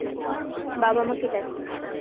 বাবা মাকে দেখ।